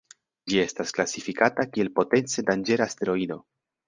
Ĝi estas klasifikata kiel potence danĝera asteroido.